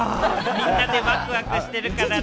みんなでワクワクしてるからね。